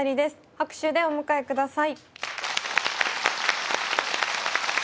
拍手でお迎えください。